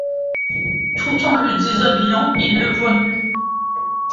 Tout en le déshabillant, il le voit nu.